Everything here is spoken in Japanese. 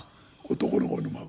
男の子の孫。